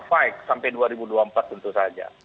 fike sampai dua ribu dua puluh empat tentu saja